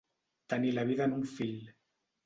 Tenir la vida en un fil.